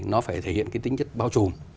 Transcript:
nó phải thể hiện cái tính chất bao trùm